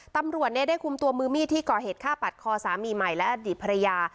ตำรวจได้คุมตัวมือมีดที่ก่อเหตุฆ่าปัดคอสามีใหม่และอดีตภรรยา